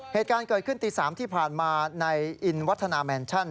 เหตุการณ์เกิดขึ้นตี๓ที่ผ่านมาในอินวัฒนาแมนชั่น